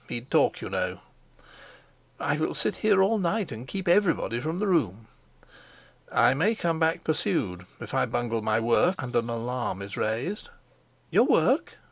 He'd talk, you know." "I will sit here all night and keep everybody from the room." "I may come back pursued if I bungle my work and an alarm is raised." "Your work?"